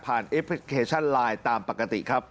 แอปพลิเคชันไลน์ตามปกติครับ